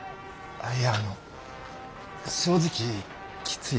いやあの正直きついです。